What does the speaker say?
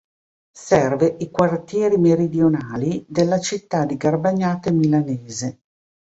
Serve i quartieri meridionali della città di Garbagnate Milanese.